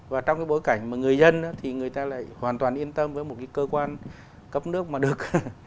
và trong cái bối cảnh mà người dân thì người ta lại hoàn toàn yên tâm với một cái cơ quan cấp nước mà được